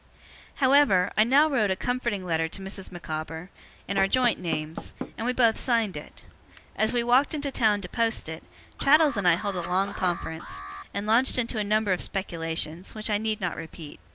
However, I now wrote a comforting letter to Mrs. Micawber, in our joint names, and we both signed it. As we walked into town to post it, Traddles and I held a long conference, and launched into a number of speculations, which I need not repeat.